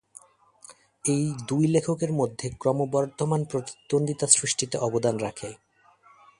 এটি দুই লেখকের মধ্যে ক্রমবর্ধমান প্রতিদ্বন্দ্বিতা সৃষ্টিতে অবদান রাখে।